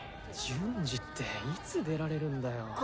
順次っていつ出られるんだよ。